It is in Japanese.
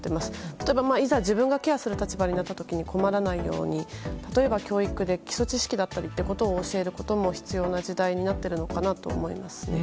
例えばいざ自分がケアする立場になった時に困らないように例えば教育で基礎知識だったりを教えることも必要な時代になっているのかなと思いますね。